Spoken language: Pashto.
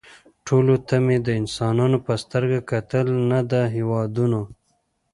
ټولو ته مې د انسانانو په سترګه کتل نه د هېوادونو